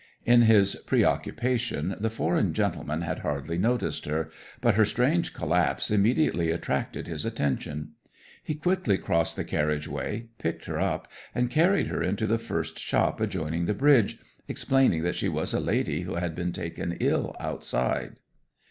'In his preoccupation the foreign gentleman had hardly noticed her, but her strange collapse immediately attracted his attention. He quickly crossed the carriageway, picked her up, and carried her into the first shop adjoining the bridge, explaining that she was a lady who had been taken ill outside.